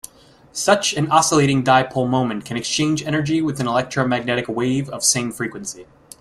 Such an oscillating dipole moment can exchange energy with an electromagnetic wave of same frequency.